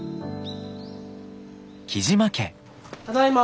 ただいま。